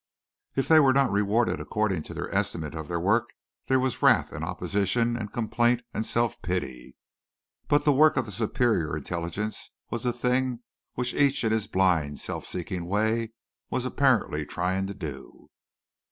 If they were not rewarded according to their estimate of their work there was wrath and opposition and complaint and self pity, but the work of the superior intelligence was the thing which each in his blind, self seeking way was apparently trying to do.